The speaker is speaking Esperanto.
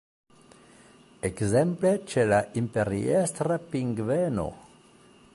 Ekzemple ĉe la Imperiestra pingveno.